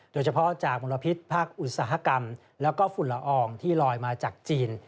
โดยเฉพาะจากมลพิษภาคอุตสาหกรรมแล้วก็ฝุ่นละอองที่ลอยมาจากจีน